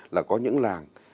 là có những làng